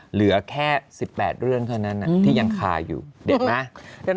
เหลือแค่๑๘เรื่องเท่านั้นที่ยังคาอยู่เด็ดไหม